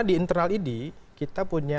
di internal idi kita punya